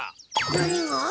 何が？